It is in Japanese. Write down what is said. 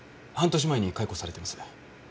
半年前に解雇されてます。